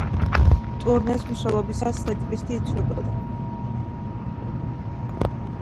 ტურნეს მსვლელობისას სეტლისტი იცვლებოდა.